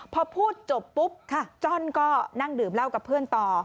พอพูดจบปุ๊บค่ะจ้อนก็นั่งดื่มเหล้ากับเพื่อนต่อ